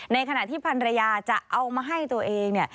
ในขณะที่พันรยาจะเอามาให้ตัวเองเนี่ย